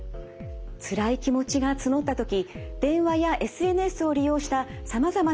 つらい気持ちが募った時電話やＳＮＳを利用したさまざまな相談窓口があります。